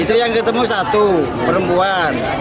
itu yang ketemu satu perempuan